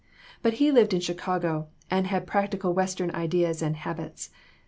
But he lived in Chi cago, and had practical Western ideas and habits.